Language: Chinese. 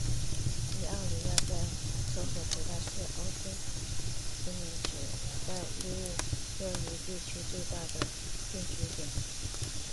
皮奥里亚在探索时代是欧洲殖民者在伊利诺伊地区最大的定居点。